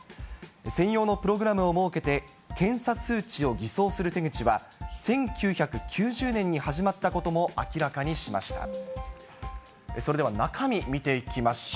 専用のプログラムを設けて、検査数値を偽装する手口は１９９０年に始まったことも明らかにしました。